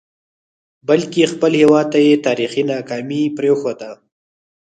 بلکې خپل هیواد ته یې تاریخي ناکامي پرېښوده.